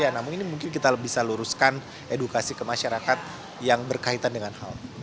namun ini mungkin kita bisa luruskan edukasi ke masyarakat yang berkaitan dengan hal